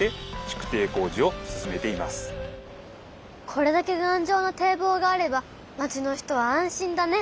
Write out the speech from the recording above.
これだけがんじょうな堤防があれば町の人は安心だね！